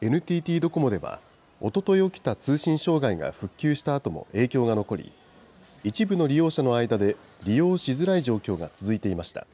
ＮＴＴドコモでは、おととい起きた通信障害が復旧したあとも影響が残り、一部の利用者の間で利用しづらい状況が続いていました。